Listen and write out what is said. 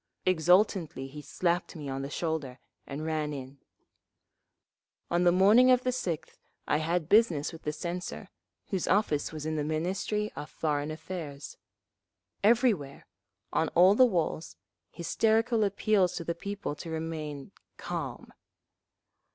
Exultantly he slapped me on the shoulder, and ran in…. Well known in the American labor movement. On the morning of the 6th I had business with the censor, whose office was in the Ministry of Foreign Affairs. Everywhere, on all the walls, hysterical appeals to the people to remain "calm."